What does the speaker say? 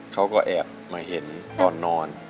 เขาก็แอบมาเห็นตอนนอน